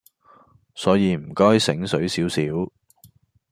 所以唔該醒水少少